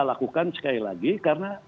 lakukan sekali lagi karena